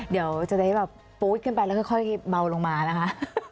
เดี๋ยวจะได้แบบโป๊ตขึ้นไปแล้วค่อยเข้าที่เมาลงมานะคะ